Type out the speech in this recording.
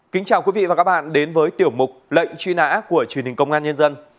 kính chào quý vị và các bạn đến với tiểu mục lệnh truy nã của truyền hình công an nhân dân